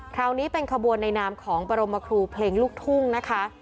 คราวนี้เป็นขบวนในนามของบรมครูเพลงลูกทุ่งนะคะ